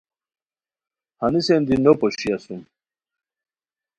ہنیسین دی نو پوشی اسوم